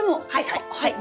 はいはい。